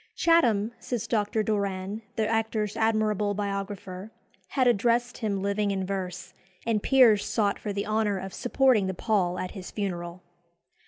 "Chatham," says Dr. Doran, the actor's admirable biographer, "had addressed him living in verse, and peers sought for the honour of supporting the pall at his funeral."